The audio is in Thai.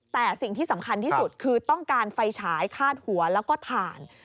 แต่สิ่งที่สำคัญที่สุดคือต้องการไฟฉายคาดหัวแล้วก็ถ่าน